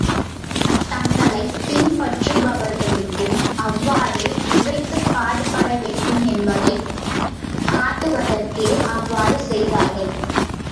தங்களைப் பின்பற்றுபவர்களுக்கும் அவ்வாறே உழைத்துப் பாடுபட வேண்டும் என்பதைக் காட்டுவதற்கே அவ்வாறு செய்தார்கள்.